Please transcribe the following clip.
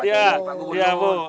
terima kasih pak bupati